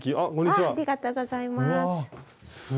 ありがとうございます。